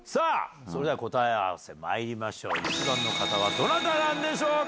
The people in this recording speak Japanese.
答え合わせまいりましょう１番の方どなたなんでしょうか？